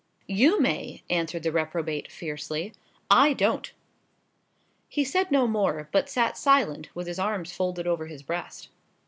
"You may," answered the reprobate, fiercely; "I don't!" He said no more, but sat silent, with his arms folded over his breast.